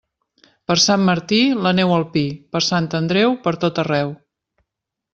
Per Sant Martí, la neu al pi; per Sant Andreu, pertot arreu.